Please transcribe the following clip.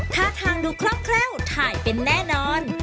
ถ้าทางดูครอบคร่าวถ่ายเป็นแน่นอน